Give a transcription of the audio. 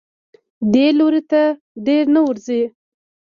دې لوري ته ډېر نه ورځي.